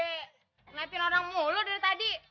nepin orang mulu dari tadi